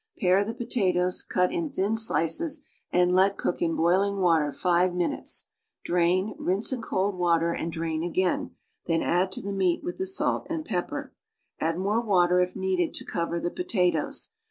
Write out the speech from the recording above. Pare the polaloes, cut in thin slic<'S, and let cook in boiling water five minutes; drain, rinse in cold water and drain a^^^ain, then add to the meat with the salt and pepper. Addniore water If needed to cover the potatoes.